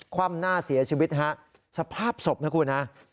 คว่ำหน้าเสียชีวิตฮะสภาพศพนะคุณฮะ